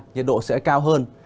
nhiệt độ sẽ cao hơn